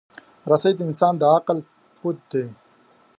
رسۍ د انسان د عقل پُت دی.